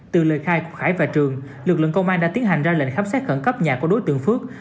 từ lời khai của khải và trường lực lượng công an đã tiến hành ra lệnh khám xét khẩn cấp nhà của đối tượng phước